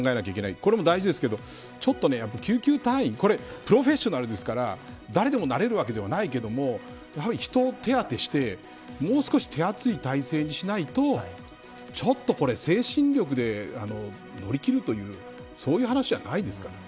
これも大事ですけどちょっと、救急隊員プロフェッショナルだから誰でもなれるわけではないけれどもやはり人を手当てしてもう少し手厚い体制にしないと精神力で乗り切るというそういう話じゃないですからね。